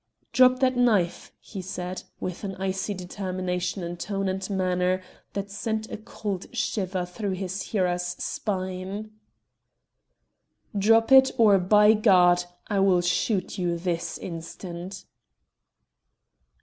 "Drop that knife," he said, with an icy determination in tone and manner that sent a cold shiver through his hearer's spine. "Drop it, or, by God, I will shoot you this instant!"